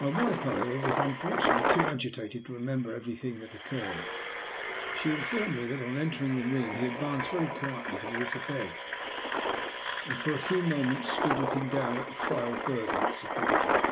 My wife, however, was unfortunately too agitated to remember everything that occurred. She informed me that on entering the room he advanced very quietly towards the bed, and for a few moments stood looking down at the frail burden it supported.